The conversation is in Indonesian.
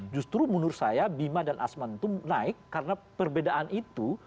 justru menurut saya bima dan asman itu naik karena perbedaan itu